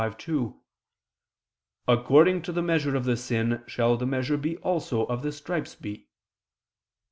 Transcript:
25:2: "According to the measure of the sin shall the measure be also of the stripes be."